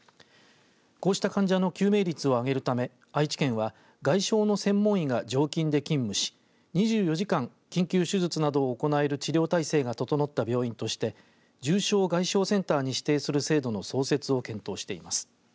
こうした患者の救命率を上げるため愛知県は外傷の専門医が常勤で勤務し２４時間緊急手術などを行える治療体制が整った病院として重症外傷センターに指定する制度の創設を検討しています。